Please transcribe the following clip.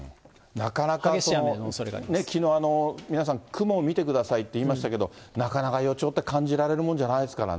なかなかね、きのう、皆さんね、雲を見てくださいって言いましたけれども、なかなか予兆って感じられるものじゃないですからね。